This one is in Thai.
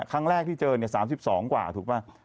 ครั้งแรกที่เจอ๓๒กว่าถูกป่ะ